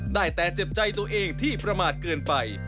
ได้แต่เจ็บใจตัวเองที่ประมาทเกินไป